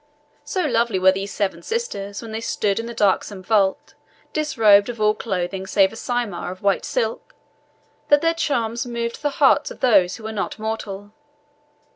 So lovely were these seven sisters when they stood in the darksome vault, disrobed of all clothing saving a cymar of white silk, that their charms moved the hearts of those who were not mortal.